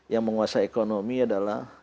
yang menguasai ekonomi adalah